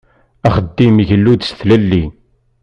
Axeddim igellu-d s tlelli.